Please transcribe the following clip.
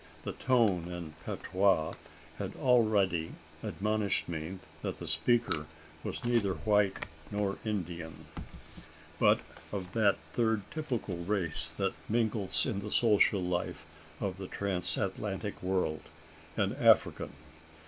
The tone and patois had already admonished me that the speaker was neither white nor Indian, but of that third typical race that mingles in the social life of the transatlantic world an African.